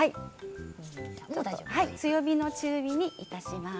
強めの中火にいたします。